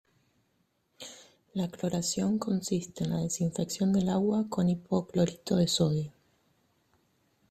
La cloración consiste en la desinfección del agua con hipoclorito de sodio.